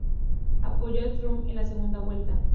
Apoyó a Tsvangirai en la segunda vuelta.